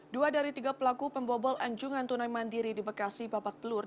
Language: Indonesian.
dua dari tiga pelaku pembobol anjungan tunai mandiri di bekasi babak belur